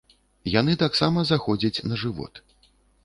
Яны таксама заходзяць на жывот.